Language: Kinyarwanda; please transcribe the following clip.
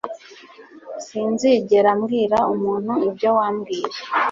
Sinzigera mbwira umuntu ibyo wambwiye.